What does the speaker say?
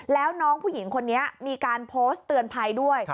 แล้วน้องผู้หญิงคนนี้มีการโพสต์เตือนภัยด้วย